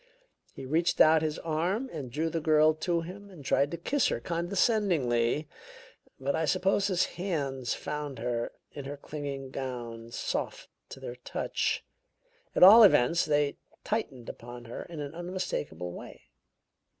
He reached out his arms and drew the girl to him and tried to kiss her condescendingly; but I suppose his hands found her, in her clinging gown, soft to their touch. At all events, they tightened upon her in an unmistakable way.